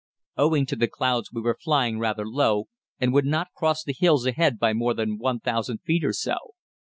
Owing to the clouds we were flying rather low, and would not cross the hills ahead by more than 1000 feet or so.